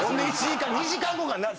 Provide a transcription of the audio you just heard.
１時間２時間後かな？